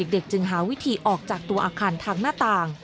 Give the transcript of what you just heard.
จึงหาวิธีออกจากตัวอาคารทางหน้าต่าง